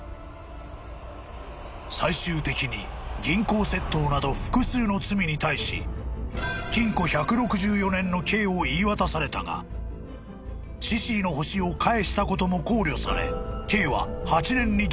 ［最終的に銀行窃盗など複数の罪に対し禁錮１６４年の刑を言い渡されたがシシィの星を返したことも考慮され刑は］